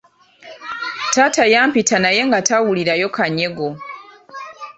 Taata yampita naye nga tawulirayo kanyego.